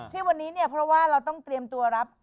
ที่วันนี้เนี่ยเพราะว่าเราต้องเตรียมตัวรับ